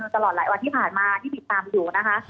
ตลอดหลายวันที่ผ่านมาที่ติดตามอยู่นะคะ